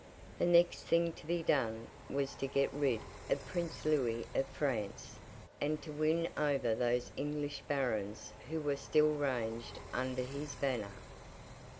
The next thing to be done, was to get rid of Prince Louis of France, and to win over those English Barons who were still ranged under his banner.